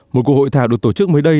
một cuộc hội thảo được tổ chức mới đây